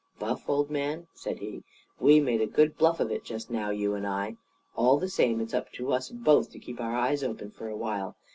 "Buff, old man," said he, "we made a good bluff of it just now, you and I. All the same, it's up to us both to keep our eyes open for a while.